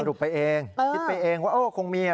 สรุปไปเองคิดไปเองว่าโอ้คงมี